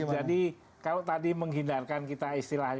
jadi kalau tadi menghindarkan kita istilahnya